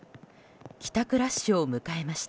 帰宅ラッシュを迎えました。